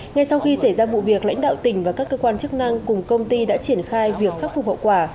ngay sau khi xảy ra vụ việc lãnh đạo tỉnh và các cơ quan chức năng cùng công ty đã triển khai việc khắc phục hậu quả